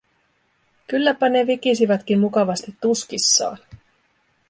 Kylläpä ne vikisivätkin mukavasti tuskissaan.